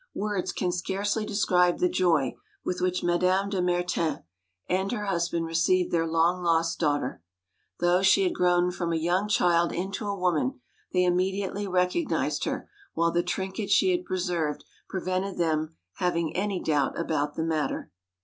Words can scarcely describe the joy with which Madame de Mertens and her husband received their long lost daughter. Though she had grown from a young child into a woman, they immediately recognised her, while the trinkets she had preserved prevented them having any doubt about the matter.